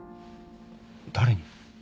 誰に？